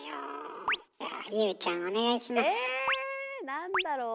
何だろう？